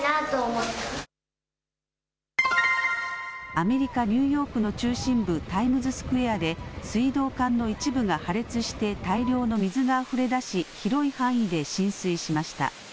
アメリカ・ニューヨークの中心部、タイムズスクエアで水道管の一部が破裂して大量の水があふれ出し広い範囲で浸水しました。